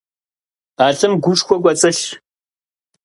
А лӀым гушхуэ кӀуэцӀылъщ.